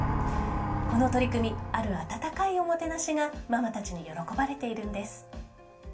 この取り組みある温かいおもてなしがママたちに喜ばれているんです。